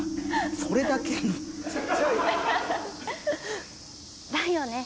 それだけの。だよね。